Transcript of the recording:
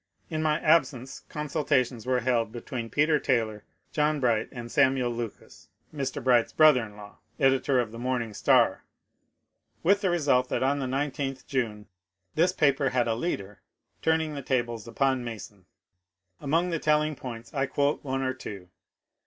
In my absence ccmsul tations were held between Peter Taylor, John Bright, and Samuel Lucas — Mr. Bright's brother in law, editor of the " Morning Star "— with the result that on the 19th June this paper had a leader turning the tables upon Mason. Among the telling points I quote one or two.